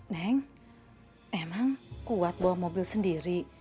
neng emang kuat bawa mobil sendiri